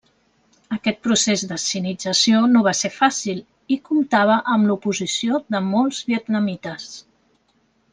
Aquest procés de sinització no va ser fàcil, i comptava amb l'oposició de molts vietnamites.